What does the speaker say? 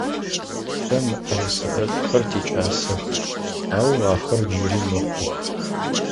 Тэ мыӏэрысэ ӏэшӏухэр тикӏасэх, ау ахэр джыри мыхъух.